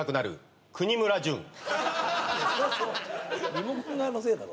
リモコン側のせいだろ。